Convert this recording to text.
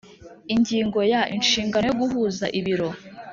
Ingingo ya Inshingano yo guhuza ibiro